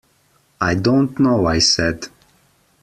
‘I don’t know,’ I said.